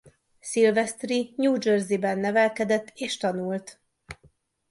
Silvestri New Jerseyben nevelkedett és tanult.